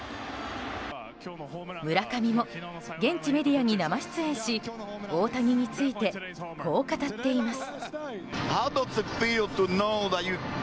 村上も現地メディアに生出演し大谷についてこう語っています。